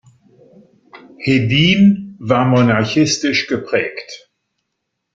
Hedin war monarchistisch geprägt.